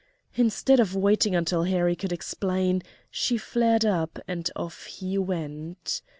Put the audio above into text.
Instead of waiting until Harry could explain, she flared up, and off he went.